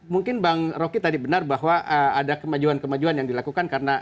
mungkin bang roky tadi benar bahwa ada kemajuan kemajuan yang dilakukan karena